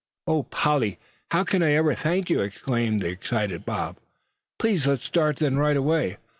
"Oh! Polly, however can I thank you?" exclaimed the excited Bob; "please let's start then right away.